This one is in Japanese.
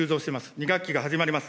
２学期が始まります。